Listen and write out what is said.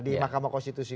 di makam konstitusi